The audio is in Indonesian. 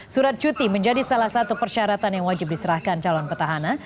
surat cuti menjadi salah satu persyaratan yang wajib diserahkan calon petahana